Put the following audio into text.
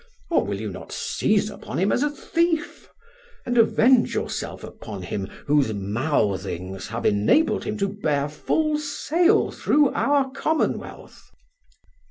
Or will you not seize upon him as a thief, and avenge yourself upon him whose mouthings have enabled him to bear full sail through our commonwealth?